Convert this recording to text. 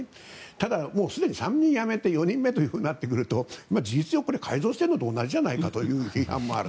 ただ、すでに３人辞めて４人目となってくると事実上これは改造しているのと同じじゃないかという批判もある。